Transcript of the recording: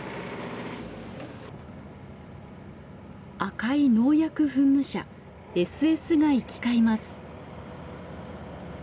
赤い農薬噴霧車ＳＳが行き交います。